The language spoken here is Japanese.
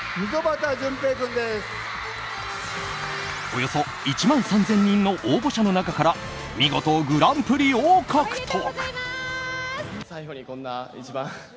およそ１万３０００人の応募者の中から見事グランプリを獲得。